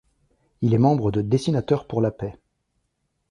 Il est membre de Dessinateurs pour la paix.